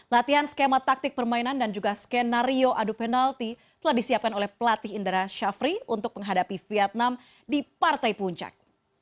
latihan skema taktik permainan dan juga skenario adu penalti telah disiapkan oleh pelatih indra syafri untuk menghadapi vietnam di partai puncak